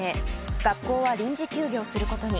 学校は臨時休業することに。